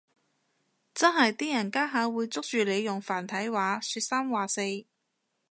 真係啲人家下會捉住你用繁體話說三話四